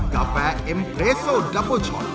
กาแฟเอ็มเรสโซนดับเบอร์ช็อต